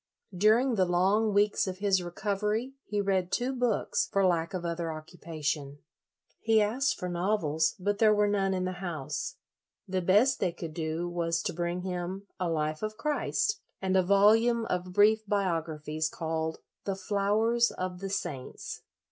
During the long weeks of his recovery he read two books, for lack of other occu pation. He asked for novels, but there were none in the house. The best they could do was to bring him a Life of Christ, and a volume of brief biographies, called the " Flowers of the Saints."